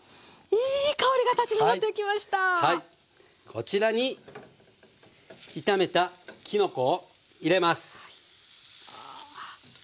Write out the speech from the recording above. こちらに炒めたきのこを入れます。